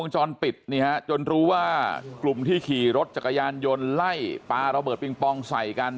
จรปิดนี่ฮะจนรู้ว่ากลุ่มที่ขี่รถจักรยานยนต์ไล่ปลาระเบิดปิงปองใส่กัน